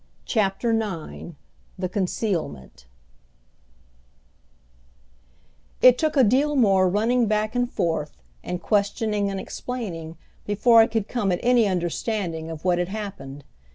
CHAPTER IX THE CONCEALMENT It took a deal more running back and forth, and questioning and explaining, before I could come at any understanding of what had happened.